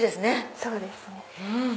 そうですね。